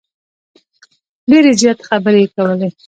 ډیرې زیاتې خبرې یې کولې.